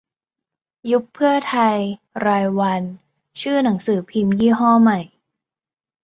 "ยุบเพื่อไทย รายวัน" ชื่อหนังสือพิมพ์ยี่ห้อใหม่